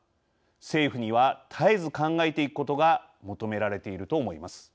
政府には絶えず考えていくことが求められていると思います。